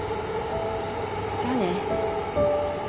じゃあね。